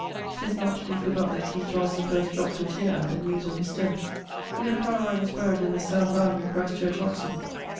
'Tis not to be forgott that king Charles 1st dropt a teare at the newes of his death. William Cartwright was buried in the south aisle in Christ Church, Oxon.